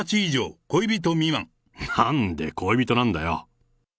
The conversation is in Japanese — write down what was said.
なんで恋人なんだよ。